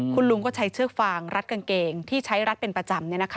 คุณลุงก็ใช้เชือกฟางรัดกางเกงที่ใช้รัดเป็นประจำ